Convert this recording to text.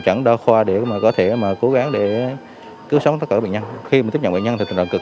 chẩn đo khoa để có thể cố gắng cứu sống tất cả các bệnh nhân khi tiếp nhận bệnh nhân thì tình trạng cực